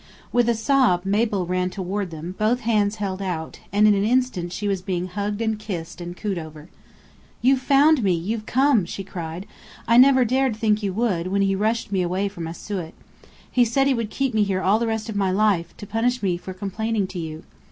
With a sob, Mabel ran toward them, both hands held out, and in an instant she was being hugged and kissed and cooed over. "You've found me you've come!" she cried. "I never dared think you would, when he rushed me away from Asiut. He said he would keep me here all the rest of my life, to punish me for complaining to you."